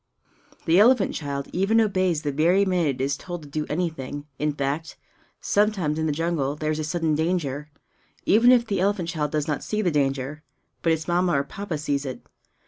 The elephant child even obeys the very minute it is told to do anything; in fact, sometimes in the jungle there is a sudden danger, even if the elephant child does not see the danger. But its Mamma or Papa sees it.